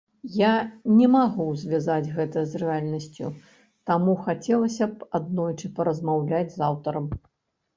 Я не магу звязаць гэта з рэальнасцю, таму хацелася б аднойчы паразмаўляць з аўтарам.